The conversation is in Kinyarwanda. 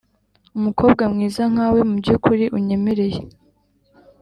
umukobwa mwiza nkawe, mubyukuri unyemereye